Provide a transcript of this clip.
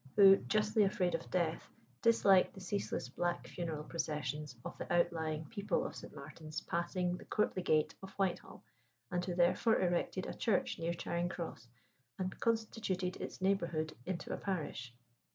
who, justly afraid of death, disliked the ceaseless black funeral processions of the outlying people of St. Martin's passing the courtly gate of Whitehall, and who therefore erected a church near Charing Cross, and constituted its neighbourhood into a parish.